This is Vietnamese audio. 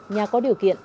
nhà có điều kiện